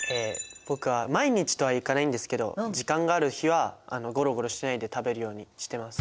僕は毎日とはいかないんですけど時間がある日はゴロゴロしないで食べるようにしてます。